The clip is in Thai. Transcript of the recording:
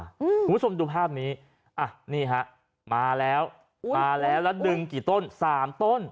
คุณผู้ชมดูภาพนี้อ่ะนี่ฮะมาแล้วมาแล้วแล้วดึงกี่ต้นสามต้น